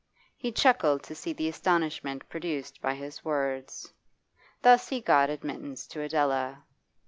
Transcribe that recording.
He chuckled to see the astonishment produced by his words. Thus he got admittance to Adela.